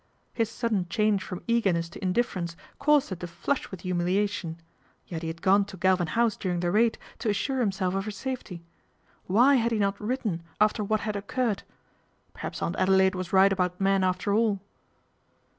His sudden change from eagerness to indiffer ence caused her to flush with humiliation ; yet he had gone to Galvin House during the raid to assure himself of her safety. Why had he not : written after what had occurred ? Perhaps Aunt Adelaide was right about men after all.